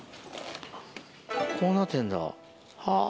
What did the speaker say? こうなってんだはぁ。